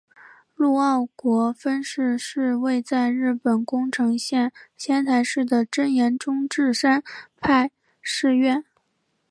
陆奥国分寺是位在日本宫城县仙台市的真言宗智山派寺院。